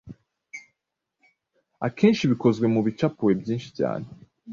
akenshi bikozwe mubicapuwe byinshi cyane